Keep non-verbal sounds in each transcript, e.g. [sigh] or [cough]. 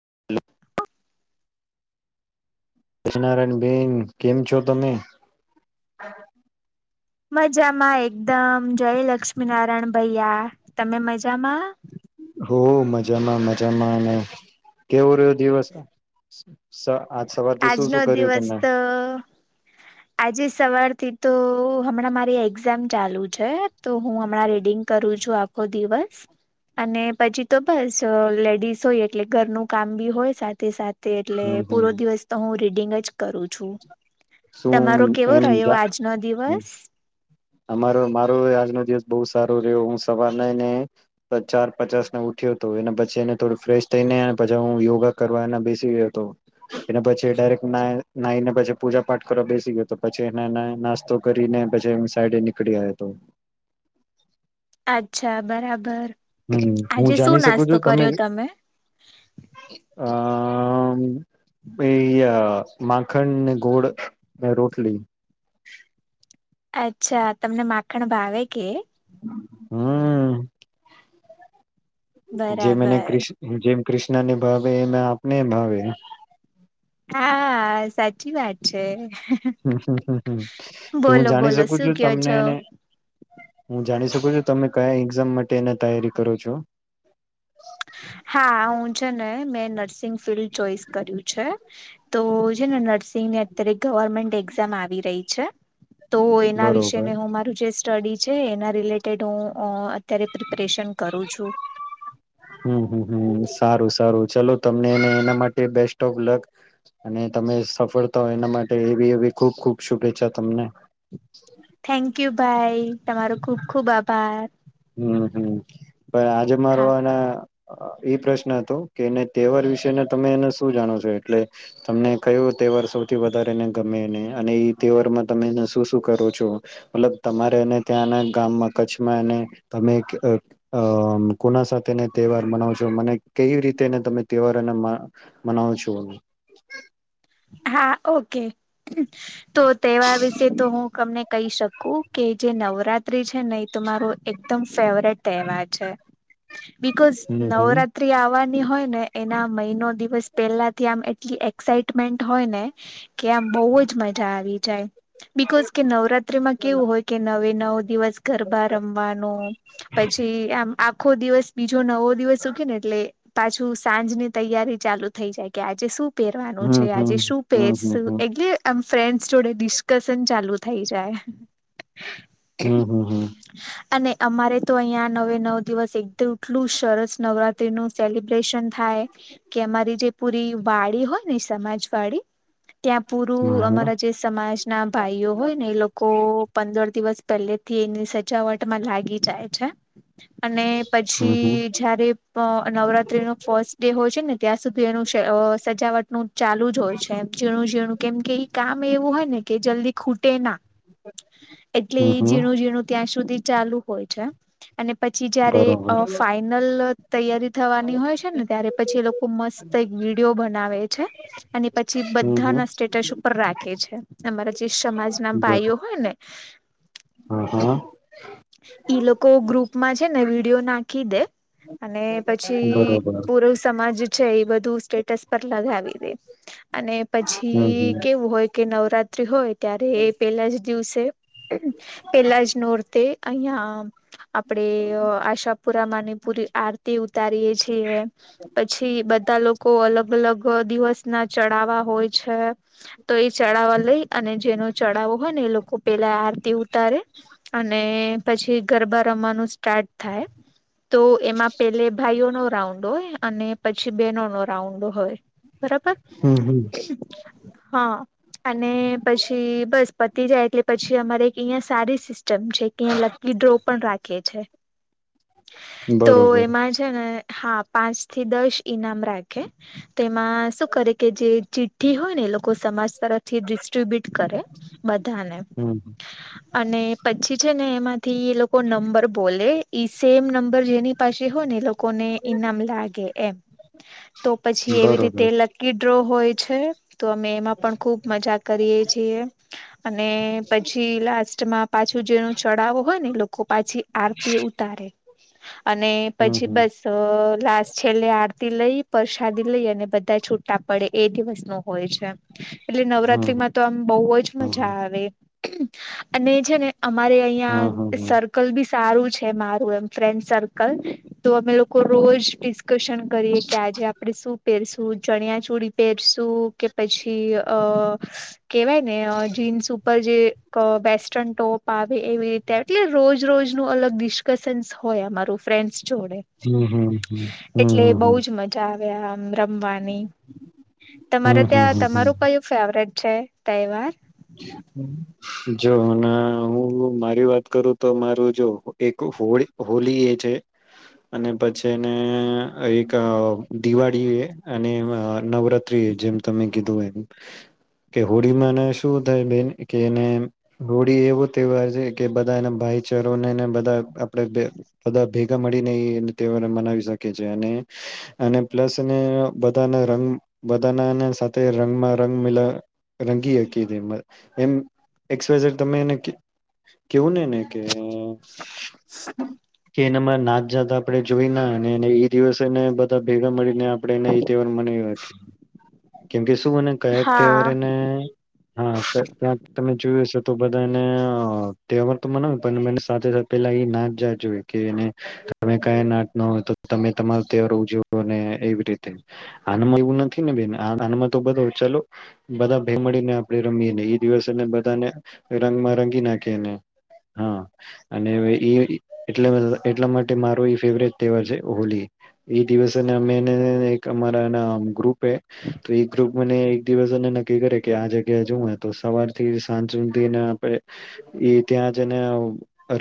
[inaudible] [unintelligible] બેેન કેમ છો તમે? મજામાં એકદમ જય લક્ષ્મી નારાયણ ભૈયા તમે મજામાં? હો મજામાં મજામાં કેવો રહ્યું દિવસ? આજ સવારથી શું આજનો શું કર્યું દિવસ તમે તો આજે સવારથી તો હમણાં મારી એક્ઝામ ચાલુ છે. તો હું હમણાં રીડિંગ કરું છું આખો દિવસ અને પછી તો બસ લેડીસ હોય એટલે ઘરનું કામ બી હોય સાથે સાથે એટલે. હમ પૂરો હમ દિવસ તો હું રી ડિંગ જ. કરું છું. તમારો શું કેવો એમ રહ્યો આજનો દિવસ? અમારો મારો આજનો દિવસ બહુ સારો રહ્યો. હું સવાર ન ને ચાર પચાસને ઉઠ્યો હતો એના પછી એને થોડું ફ્રેશ થઈને પછી હું યોગા કરવા એ બેસી ગયો હતો એના પછી ડાયરેક નાને પછી પૂજા પાઠ કરવા બેસી ગયો હતો પછી એ નાસ્તો કરીને પછી [unintelligible] નીકળી આયોતો. અચ્છા બરાબર. હમ્મ આજે હું શું જાણી શકું નાસ્તો છું તમે કર્યો આ. એય માખણ ને ગોળ ને રોટલી. અચ્છા તમને માખણ ભાવે કે? હમ્મ. જે મેને બરાબર ક્રિસ જે કૃિષ્ણ ને ભાવે એમાં આપને એ ભાવે. હા સાચી વાત છે. હમ હમ હમ હમ તો હું બોલો જાણી બોલો શકું શું છું કયો તમને છો એને હું જાણી શકું છું તમે કયા એક્ઝામ માટે એની તૈયારી કરો છો. હા હું છે ને મેં નર્સ [unintelligible] ફિલ્ડ ચોઈસ કર્યું છે. [unintelligible] તો છે ને નર્સિંગ ની અત્યારે ગવર્મેન્ટ એક્ઝામ આવી રહી છે. તો એના વિશે બરોબર ને હું મારું જે સ્ટડી છે એના રિલેટેડ હું અત્યારે પ્રિપરેશન કરું છું. હમ હમ હમ સારું સારું ચાલો તમને એના માટે બેસ્ટ ઓફ લક અને તમે સફળતા હો એના માટે એી એ ખુબ ખુબ શુભેચ્છા તમને. Thank you. ભાઈ તમારો ખુબ ખુબ આભાર. હમ હમ. પ આજે મારો હા એને એ પ્રશ્ન હતો કે એને તહેવાર વિશેને તમે એને શું જાણો છો એટલે તમને કયો તહેવાર સૌથી વધારેને ગમે અને એ તહેવારમાં તમે એને શું શું કરો છો મતલબ તમારે એ ત્યાંના ગામમાં કચ્છમાં એને તમે કોના સાથેને તહેવાર મનાવ છો મને કેવી રીતેને તમે તહેવારને મનાવ છો. હા ઓકે. તો તહેવાર વિશે તો હું કમને કહી શકું કે જે નવરાત્રી છે ને ઈ ત મારો એકદમ ફેવરેટ તહેવાર છે. બિકોઝ હમ હમ નવરાત્રી આવાન હોય ને એના મહિનો દિવસ પહેલાથી આમ એટલી એક્સાઈ ટ મેન્ટ હોય ને કે આમ બહુ જ મજા આવી જાય બિકોઝ કે નવરાત્રીમાં કેવું હોય કે નવે નવ દિવસ. ગરબા રમવાનું પછી આમ આપ ખો દિવસ બી જો નવો દિવસ સુકે ને એટલે પાછું સાંજની તૈયારી ચાલુ થઇ જાય કે આજે શું પેર હમ છે હમ આજે શું હમ હમ પેરશું એટલે આમ. ફ્રેન્ડસ જોડે ડિસ્કશન ચાલુ થઇ જાય. હમ હમ હમ. અને અમારે તો અહીયાં નવે નવ દિવસ એક એટલું સરસ નવરાત્રી નું સેલિબ્રેશન થાય કે અમારી જે પૂરી વાડી હોય ને સમાજવાડી. ત્યાં હમ પૂરું હમ હમ હા અમારા જે સમાજના ભાઈઓ હોય ને એ લોકો પંદર દિવસ પહેલે તે એની સજાવટમાં લાગી જાય છે. અને હમ હમ પછી જયારે પ નવરાત્રીનું ફસ ડે હોય ને છે ત્યાં સુ ઘી એનું સ સજાવટ. નું ચાલુ જ હોય છે એમ ઝીણું ઝીણું કેમ કે એ કામ એવું હોય ને. કે જલ્દી ખૂટે ના. એટલે હમ હમ ઝીણું ઝીણું ત્યાં સુધી ચાલુ હોય છે. અને પછી જયારે બરોબર અ ફાઈનલ. તૈયારી થવાની હોય છે ને ત્યારે પછી એ લોકો મસ્ત એક વિડીયો બનાવે. છે અને પછી હમ બધા હમ ના સ્ટેટસ ઉપર રા ખે છે અમારા જે સમાજ ના બરો ભાઈઓ હોય ને હા હા. ઈ લોકો ગ્રુપમાં છે ને વિડીયો નાખી દે અને પછી બરોબર પૂરો સમાજ છે એ બધું સ્ટેટસ પર લગે. અને હમ હમ પછી કેવું હોય કે નવરાત્રી હોય ત્યારે પેલા જ દિવસે પેલા જ નોર્તે અહં આપડે આશાપુરામા ની પુરી આરતી વિતાારીય છીએ પછી બધા લોકો અલગ અલગ દિવસ ના ચડાવવા હોય છે તો એ ચડાવવા લઈ અને જે તારે અને પછી ગરબા રમવાનું સ્ટાર્ટ થાય. તો એમાં પેલે ભાઈઓ નો રાઉન્ડ હોય અને પછી બેનો નો રાઉન્ડ હોય. બરાબર હમ હમ હા અને પછી જાય એટલે પછી અમારે એક અહીંયા સારી સિસ્ટ ચમ છે કે અં લલી ડ્રો પણ રાખે. [unintelligible] તો બરોબર એમાં છે ને હા પાંચ થી દસ ઈનામ રાખે. તેમાં શું કરે કે જે ચિઠ્ઠી હોય ને એ લોકો સમાજ તરફથી ડિસ્ટ્રીબ્યુટ કરે બધાને હમ અને પછી છે ને એમાં થી એ લોકો નંબર બોલે ઈ સેમ નંબર જેની પાછી ને લોકોને ઈનામ લાગે એમ તો પછી એવી રીતે બરોબર લકી હોય છે. તો અમે એમાં પણ ખુબ મજા કરીએ છીએ અને પછી લાસ્ટમાં પાછું જેનું ચડાવો હોય ને લોકો પાછી આરતી ઉતારે અને હમ પછી હમ બસ લશ છેલ્લે આરતી લઈ પરસાદ લઈ અને બધા છૂટા પડે એ દિવસ ન હોય છે. એટલે હમ નવરાત્રીમાં તો આમ બહુ જ હમ હમ મજા આવે. અને છે ને અમારે અહિયાં હમ હમ સર્કલ બી સારું છે મારું એમ ફ્રેન્ડ સર્કલ તો અમે લોકો રોજ પિ આકર્ષણ કરીએ કે આજે આપણે આપ શું પ ઉ ચણિયાચોળી પહેરશું કે પછી અ કેવાય ને અ જીન્સ ઉપર જે અ વેસ્ટર્ન ટોપ આવે એવી રીતે આવે એટલે રોજ રોજનું અલગ ડિસ્કશન્ હોય અમારું ફ્રેન્ડસ હમ્મ હમ્મ હ હમ્મ હમ્મ બહુ હમ્મ. [unintelligible] રમવાની તમારે હમ હમ ત્યાં હમ તમારું હમ કયું ફેવરેટ? છે તહેવાર જો હું ને હું મારી વાત કરું તો મારું જો એક હોળી હોલી એ છે અને પછીને એક અ દિવાળીએ અને અ નવરાત્રીએ જેમ તમે કીધું એમ કે હોળીમાં શું થાય બેન કે એને હોળી એવો તહેવાર છે કે બધા એના ભાઈચારોને બધા આપે બધા ભેગા મળીને ઈ તહેવાર મનાવી શકી છે અને અને પ્લસ એને બધાના રંગ બધાના સાથે રંગમાં રંગ મિલા રંગીએ [unintelligible] એમ એસ તમે એને કેવું ને ને કે હમ્મ, કે એનામાં નાત જાત આપે જોઈના ને ઈ દિવસેને બધા ભેગા મળીને આપે એને ઈ તહેવાર મનાઈવા છે કેમકે શું અને કયા હા તહેવાર એને હા સર ક્યાં તમે જોયું હશે તો બધા એને તહેવાર તો મનાવે પણ સાથે સાથે પેલા એ નાથ જાત જોય કે એને તમે કયા નાથના હોય તો તમે તમારો તહેવાર ઉજવોને એવી રીતે આનમાં એવું નથી ને બેન આનમાં તો બધું ચલો બધા ભેગા મળીને આપ રમીએને ઈ દિવસેને બધાને રંગમાં રંગી નાખે હા અને એટલા માટે મારો ફેવરેટ તહેવાર છે હોલી એ દિવસે અમે એને અમારાના એક ગ્રુપ પે તો એ ગ્રુપ મને એક દિવસ એને નક્કી કરે કે આજે તો સવારથી સાંજ સુધીને આપડે એ ત્યાં જ એને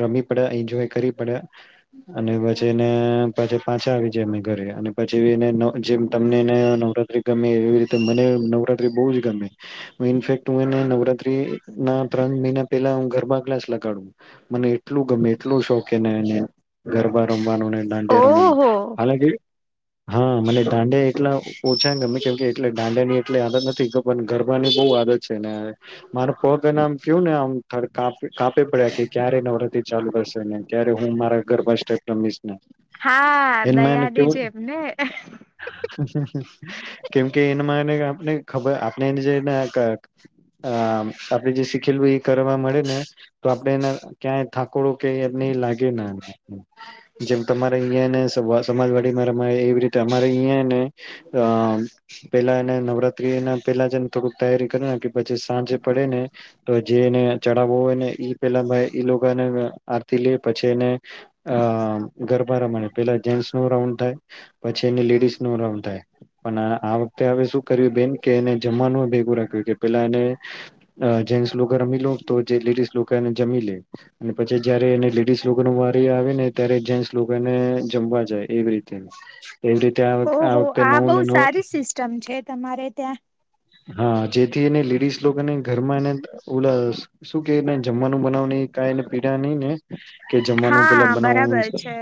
રમી પડ્યા એન્જોય કરી પડ્યા અને પછી એને પછી પાછા આવી જાય અમે ઘરે અને પછી એને જેમ તમને એ નવરાત્રી ગમે એવી મને નવરાત્રી બહુ જ ગમે. ઈન્ફેક્ટ હું હેને નવરાત્રીના ત્રણ મહિના પેહલા હું ગરબા ક્લાસ લગાડું મને એટલું ગમે એટલો શોખ એ ગરબાનો વાનું ને ડાન્ડિયા રમવાનું. ઓહો હા મને દાંડિયા એટલા ઓછા ગમે કેમ કે એટલે દાંડિડાની એટલી આદત નથી પણ ગરબાની બહુ આદત છે એને મારો પગ એને આમ કયું ને આમ કાપ કાપે પડ્યા કે ક્યારે નવરાત્રી ચાલુ થશે ને ક્યારે હું મારા ગરભા સ્ટેપ રમીશને હા, દયાની જેમને? કેમકે એમાં એને આપને ખબર આપને એને જેને ક અ આપણે જે શીખેલું ઈ કરવા મળે ને તો આપડણે એને ક્યાંય થાકોડો કે એ લાગે ના જેમ તમારે અહીયાને સમાજવાડીમાં રમાય એવી રીતે અમારે અહિયાં હેને અ પેલા એને નવરાત્રીના પેલા જ એને થોડુંક તૈયારી કર નાખે પછી સાંજે પડે ને તો જે એને ચડાવો હોય ને પેહલા ને આરતી લે પછી એને અ ગરબા રમાણે પેલા જેન્ટ્સનો રાઉન્ડ થાય પછી હેને લેડીસનો રાઉન્ડ થાય પણ આ વખતે હેને શું કર્યું બેન કે એને જમવાનું ભેગું રાયખુ કે પેલા હેને જેન્ટ્સ લોકો રમી લો તો જે લેડીસ લોકો હેને જમી લે અને પછી જયારે એને લેડીસ લોકોનો વારી આવે ને ત્યારે જેન્ટ્સ લોકોને જમવા જાય એવી રીતે એવી રીતે આ ઓહો વખતે આ નવું બહુ ને નવું સારી સિસ્ટમ છે તમારે. ત્યાં હા. જેથી એને લેડીઝ લોકોને ઘરમાં એને ઓલસ શું કેયને જમવાનું બનાવની કાઈ એને પીડા નઈ ને કે જમવાનું પેલા હા બનાવું બરાબર છે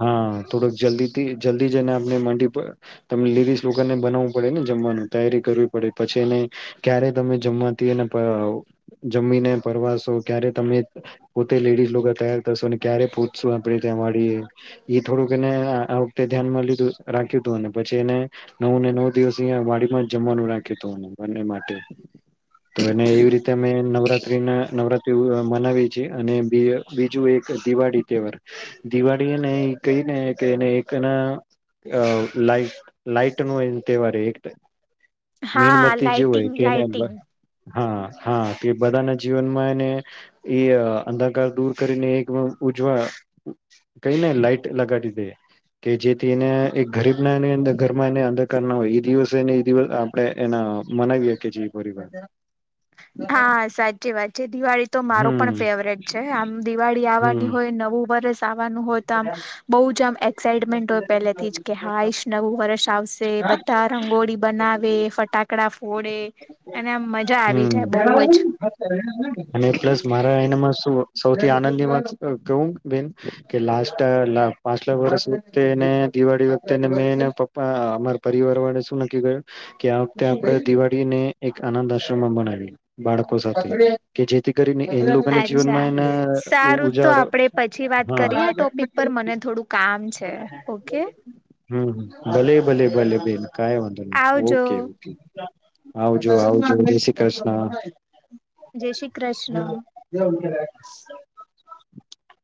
હા થોડાક જલ્દીથી જલ્દી જઈને આપને મંડી પર તમે લીડીસ લોકોને બનાવું હૈ ને જમવાનું તૈયારી કર્યું પડે પછી એને ક્યારે તમે જમવાથી એને અ જમીને પરવાશો ક્યારે તમે પોતે લેડીઝ લોકો તૈયાર થશો ક્યારે પૂચશો આપણેે ત્યાં વાળી એ થોડુંક એને આ વખતે ધ્યાનમાં લીધું રાખ્યું હતું પછી એને નવ ને નવ દિવસ ઈયા વાડી માં જ જમનું રાખ કેટતો એમને માટે તો એને એવી રીતે અમે નવરાત્રી ના નવરા તેું મનાવી છે અને બી બીજું એક દિવાળી તહેવાર દિવાળીને એ કહી ને કે એને એકના લાઈટ લાઈટ નો તહેવાર એક હા મીણબત્તી જેવુંય લાાઈટિંગ કેને લાાઈટિંગ હા હા તે બધાના જીવનમાં એને એ અંધકાર દૂર કરીને એક ઉજવા કઈ નઈ લાઈટ લગાડી દે કે જે ને એક ગરીબ નાનીંદ ઘરમાં એને અંધકાર ના હોય એ દિવસેને દિવસ ને એના મનાવીએ કે જે હા સાચી વાત છે દિવાળી તો મારો પણ હમ ફેવરેટ છે આમ દિવાળી હમ આવવાની હોય નવું વર્ષ આવાનું હોય તો આમ બહુ જ આમ એક્સાઈટમેન્ટ હોય પહેલા થી જ કે હા ઈશ નવું વર્ષ આવશે બધા રંગોળી બનાવે ફટાકડા ફોડે અને આમ મજા આવી હમ બહુ જ અને પ્લસ મારા એનામાં શુ સૌથી આનંદની વાત કેવું બેન કે લાસ્ટ અલા પાછલા વર્ષ વખતેને દિવાળી વખતે ને મે પપ્પા અમારા પરિવાર વાળા શું નક્કી કર્યું કે આ વખતે આપણે દિવાળીને એક આનંદ આશ્રમમાં ભનાવીયે બાળકો સાથે કે જેથી કરીને એ લોકોના અચ્છા જીવનમા એના સારું તો ઉજાડો આપણેે પછી વાત હા કરી આ ટોપિક પર મને થોડું કામ છે ઓકે હમ ભલે ભલે ભલે બેન કઈ વાંધોની આવજો ઓકે ઓકે આવજો આવજો જય શ્રી કૃષ્ણ જય શ્રી કૃષ્ણ [inaudible] [inaudible]